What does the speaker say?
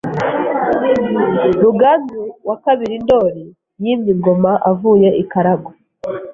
Ruganzu II Ndoli yimye ingoma avuye i Karagwe